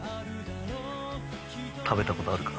食べた事あるか？